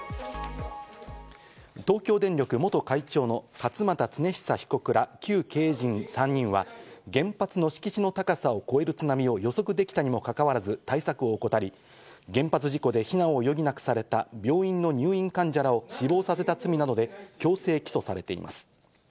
東京電力元会長の勝俣恒久被告ら旧経営陣再任は原発の敷地の高さを超える津波を予測できたにもかかわらず、対策を怠り、原発事故で避難を余儀なくされた病院の入院患者らを死亡させた罪などで強制起訴されています。